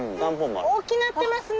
大きなってますね。